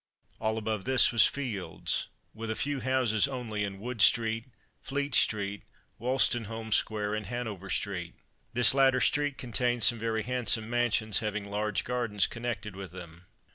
All above this was fields, with a few houses only in Wood street, Fleet street, Wolstenholme square, and Hanover street. This latter street contained some very handsome mansions, having large gardens connected with them.